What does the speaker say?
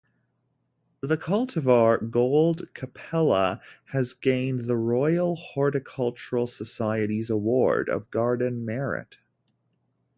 The cultivar 'Gold Capella' has gained the Royal Horticultural Society's Award of Garden Merit.